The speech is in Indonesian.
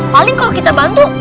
paling kalau kita bantu